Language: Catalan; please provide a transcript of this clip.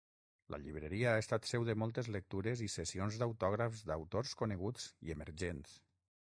La llibreria ha estat seu de moltes lectures i sessions d'autògrafs d'autors coneguts i emergents.